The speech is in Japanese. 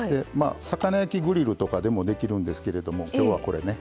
魚焼きグリルとかでもできるんですけれども今日はこれね。